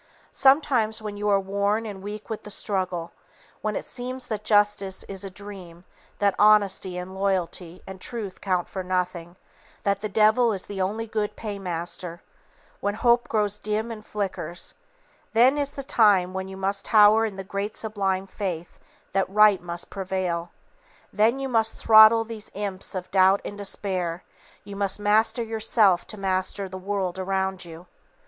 Sometimes when you are worn and weak with the struggle; when it seems that justice is a dream, that honesty and loyalty and truth count for nothing, that the devil is the only good paymaster; when hope grows dim and flickers, then is the time when you must tower in the great sublime faith that Right must prevail, then must you throttle these imps of doubt and despair, you must master yourself to master the world around you.